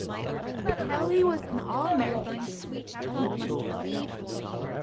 Kelley was an All-American and the captain of the Yale football team.